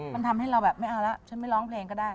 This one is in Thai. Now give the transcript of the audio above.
มันทำให้เราแบบไม่เอาแล้วฉันไม่ร้องเพลงก็ได้